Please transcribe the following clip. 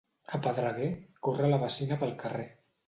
A Pedreguer, corre la bacina pel carrer.